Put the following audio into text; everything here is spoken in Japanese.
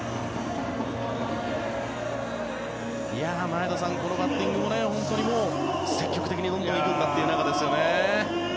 前田さん、このバッティングも積極的に打っていくんだという中ですよね。